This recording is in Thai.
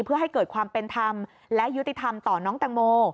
เพื่อให้เกิดความเป็นธรรมและยุติธรรมต่อน้องแตงโม